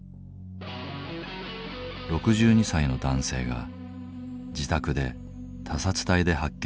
６２歳の男性が自宅で他殺体で発見された。